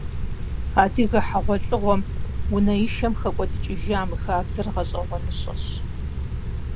Адыгэ хьэгъуэлӀыгъуэм, унэишэм хэкӀуэдыкӀыжа мы хабзэр гъэщӀэгъуэныщэщ.